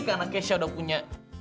karena keisha udah punya